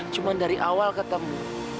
cuma dari awal ketemu